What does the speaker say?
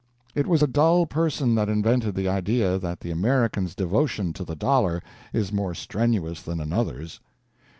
It was a dull person that invented the idea that the American's devotion to the dollar is more strenuous than another's.